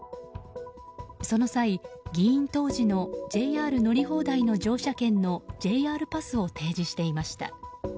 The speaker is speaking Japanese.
その際、議員当時のＪＲ乗り放題の乗車券のＪＲパスを提示していました。